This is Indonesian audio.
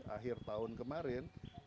akhir tahun kemarin